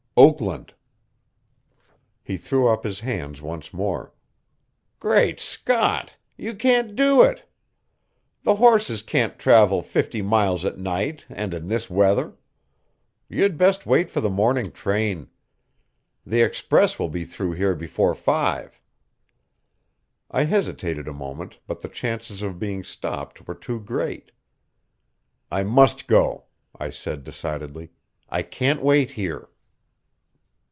"Oakland." He threw up his hands once more. "Great Scott! you can't do it. The horses can't travel fifty miles at night and in this weather. You'd best wait for the morning train. The express will be through here before five." I hesitated a moment, but the chances of being stopped were too great. "I must go," I said decidedly. "I can't wait here."